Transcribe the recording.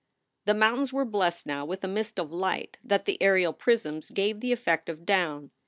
The mountains were blessed now with a mist of light that the aerial prisms gave the effect of down.